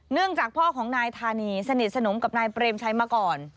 จากพ่อของนายธานีสนิทสนมกับนายเปรมชัยมาก่อน